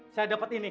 saya dapat ini ki